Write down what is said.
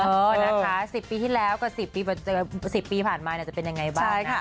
นะคะ๑๐ปีที่แล้วกับ๑๐ปีผ่านมาจะเป็นยังไงบ้าง